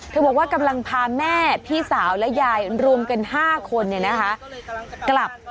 เธอบอกว่ากำลังพาแม่พี่สาวและยายรวมเป็น๕คนเนี่ยนะคะ